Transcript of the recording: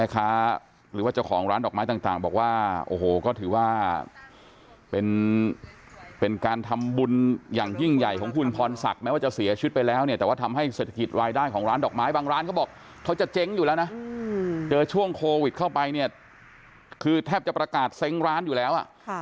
เจอช่วงโครวิดเข้าไปเนี่ยคือทิ้ปจะประกาศเซงร้านอยู่แล้ว